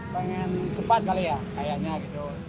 pengen cepat kali ya kayaknya gitu